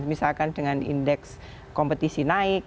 misalkan dengan indeks kompetisi naik